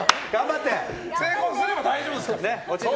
成功すれば大丈夫ですから。